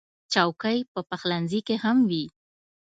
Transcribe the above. چوکۍ په پخلنځي کې هم وي.